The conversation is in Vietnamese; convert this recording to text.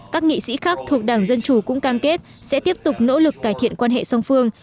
các nghị sĩ khác thuộc đảng dân chủ cũng cam kết sẽ tiếp tục nỗ lực cải thiện quan hệ song phương